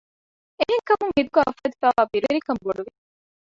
އެހެންކަމުން ހިތުގައި އުފެދިފައިވާ ބިރުވެރިކަން ބޮޑުވި